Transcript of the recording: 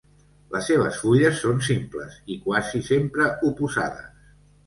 Les seves fulles són simples i quasi sempre oposades.